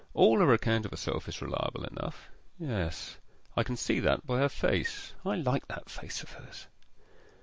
All her account of herself is reliable enough yes, I can see that by her face. I like that face of hers.